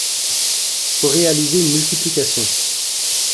Pour réaliser une multiplication.